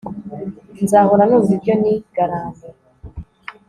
nzahora numva, ibyo ni garanti